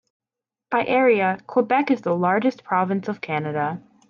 By area, Quebec is the largest province of Canada.